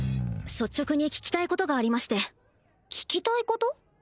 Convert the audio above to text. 率直に聞きたいことがありまして聞きたいこと？